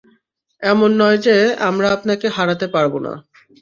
এমন নয় যে আমরা আপনাকে হারাতে পারব না।